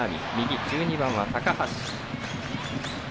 １２番は高橋。